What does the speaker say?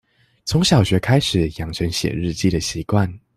從小學開始養成寫日記的習慣